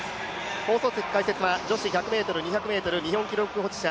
放送席解説は女子１００ｍ、２００ｍ日本記録保持者